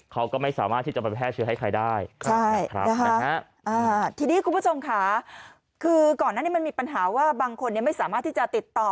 เขาก็ไม่สามารถที่จะมาแพร่เชื้อให้ใครได้ทีนี้คุณผู้ชมค่ะคือก่อนนั้นมันมีปัญหาว่าบางคนไม่สามารถที่จะติดต่อ